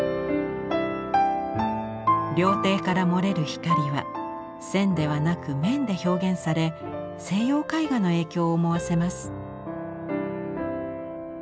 料亭から漏れる光は線ではなく面で表現され西洋絵画の影響を思わせます。